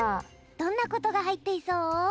どんなことがはいっていそう？